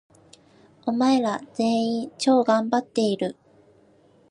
お前ら、全員、超がんばっている！！！